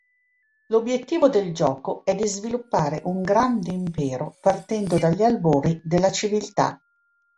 L'obiettivo del gioco è di sviluppare un grande impero partendo dagli albori della civiltà.